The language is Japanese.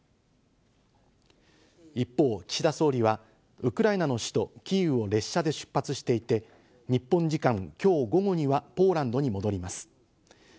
一方、岸田総理はウクライナの首都キーウを列車で出発していて、日本時間の今日午後にはポーランドに戻ります。